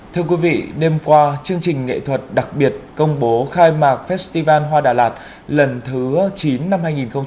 thưa quý vị đêm qua chương trình nghệ thuật đặc biệt công bố khai mạc festival hoa đà lạt lần thứ chín năm hai nghìn một mươi chín